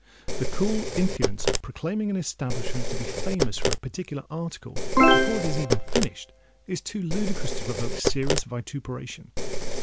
The cool impudence of proclaiming an establishment to be famous for a particular article, before it is even finished, is too ludicrous to provoke serious vituperation.